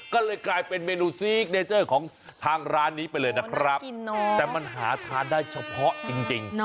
ก็เลยกลายเป็นเมนูซีกเนเจอร์ของทางร้านนี้ไปเลยนะครับแต่มันหาทานได้เฉพาะจริง